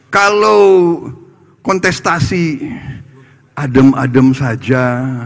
kalau kontestasi adem adem saja